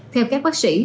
theo các bác sĩ